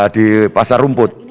di pasar rumput